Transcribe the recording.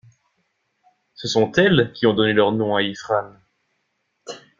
Ce sont elles qui ont donné leur nom à Ifrane.